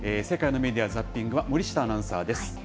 世界のメディア・ザッピングは、森下アナウンサーです。